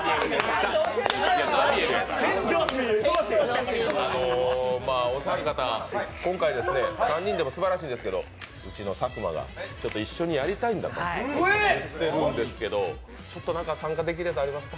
まあ、お三方、今回ね、３人でもすばらしいですけどうちの佐久間が一緒にやりたいんだと言ってるんですがちょっと参加できるやつありますか？